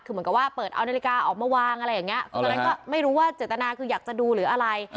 คือเหมือนกับว่าเปิดเอานาฬิกาออกมาวางอะไรอย่างนี้ตอนนั้นก็ไม่รู้ว่าเจตนาคืออยากจะดูหรืออะไร